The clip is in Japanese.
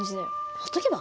ほっとけば？